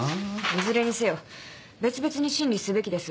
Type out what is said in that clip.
いずれにせよ別々に審理すべきです。